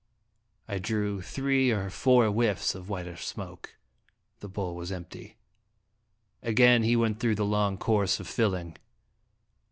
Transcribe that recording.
I drew three or four whiffs of whitish smoke ; the bowl was empty. Again he went through the long course of filling.